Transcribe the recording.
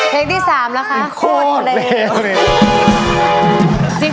เพลงที่สามแล้วคะโคตรเลว